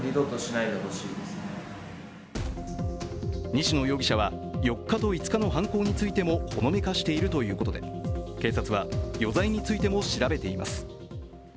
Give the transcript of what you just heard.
西野容疑者は４日と５日の犯行についてもほのめかしているということで警察は余罪についても調べています。